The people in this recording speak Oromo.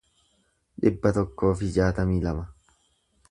dhibba tokkoo fi jaatamii lama